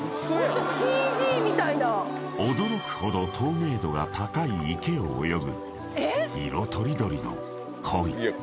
［驚くほど透明度が高い池を泳ぐ色とりどりの鯉］